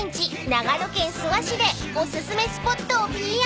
長野県諏訪市でお薦めスポットをＰＲ］